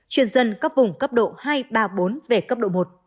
truyền dân các vùng cấp độ hai ba bốn về cấp độ một